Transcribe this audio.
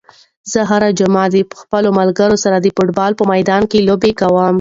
زه هره جمعه له خپلو ملګرو سره د فوټبال په میدان کې لوبې کوم.